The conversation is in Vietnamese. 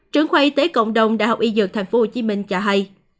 trưởng khoa y tế cộng đồng đại học y dược tp hcm cho hay